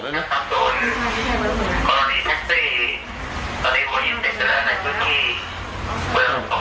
ได้รถแล้วใช่ไหม